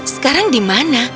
sekarang di mana